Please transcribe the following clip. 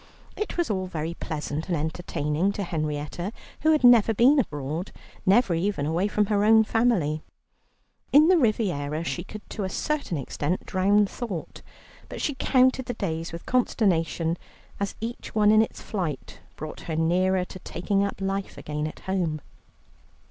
It was all very pleasant and entertaining to Henrietta, who had never been abroad, never even away from her own family. In the Riviera she could to a certain extent drown thought, but she counted the days with consternation, as each one in its flight brought her nearer to taking up life again at home.